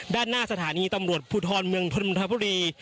ด้านหน้าสถานีตำรวจภูทรเมืองพนมทบุรี